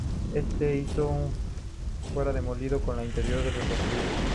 Éste hizo que fuera demolido con la intención de reconstruirlo.